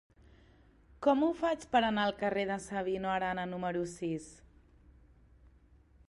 Com ho faig per anar al carrer de Sabino Arana número sis?